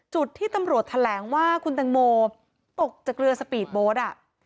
จุดที่ตำรวจแถลงว่าคุณตังโมตกจากเรือสปีดโบ๊ท